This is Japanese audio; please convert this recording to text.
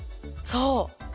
そう。